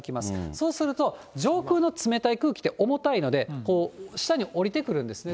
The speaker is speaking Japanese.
そうすると上空の冷たい空気って重たいので、下に下りてくるんですね。